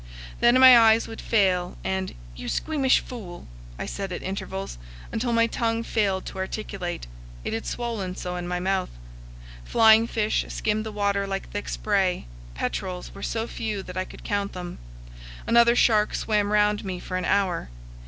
Then my eyes would fail, and "you squeamish fool!" I said at intervals, until my tongue failed to articulate; it had swollen so in my mouth. Flying fish skimmed the water like thick spray; petrels were so few that I could count them; another shark swam round me for an hour.